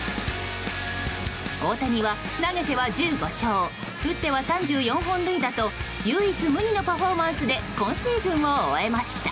大谷は、投げては１５勝打っては３４本塁打と唯一無二のパフォーマンスで今シーズンを終えました。